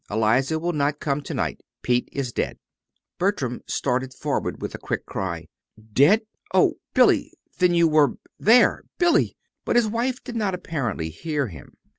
"Eliza will not come to night. Pete is dead." Bertram started forward with a quick cry. "Dead! Oh, Billy! Then you were there! Billy!" But his wife did not apparently hear him.